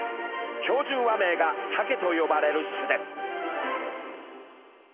標準和名がサケと呼ばれる種です。